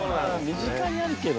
身近にあるけどね。